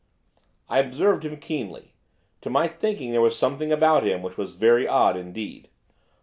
I observed him keenly; to my thinking there was something about him which was very odd indeed.